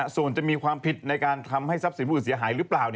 ส่วนจะมีความผิดในการทำให้ทรัพย์สินผู้อื่นเสียหายหรือเปล่า